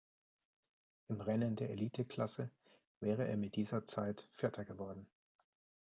Im Rennen der Eliteklasse wäre er mit dieser Zeit Vierter geworden.